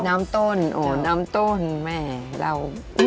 น้ำต้นโอ้น้ำต้นแม่เล่า